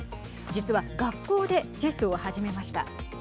実は学校でチェスを始めました。